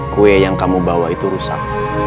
kue yang kamu bawa itu rusak